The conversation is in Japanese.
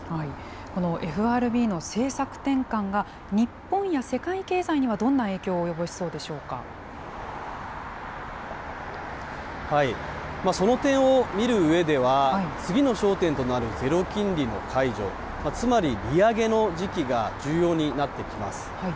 このＦＲＢの政策転換が、日本や世界経済にはどんな影響を及その点を見るうえでは、次の焦点となるゼロ金利の解除、つまり利上げの時期が重要になってきます。